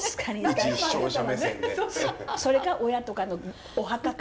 それか親とかのお墓か。